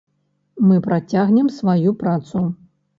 Мы працягнем сваю працу!